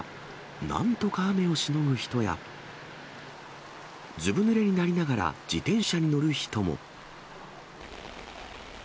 なんとか雨をしのぐ人や、ずぶぬれになりながら、自転車に乗る人も。